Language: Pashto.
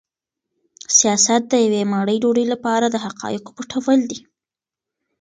سیاست د یوې مړۍ ډوډۍ لپاره د حقایقو پټول دي.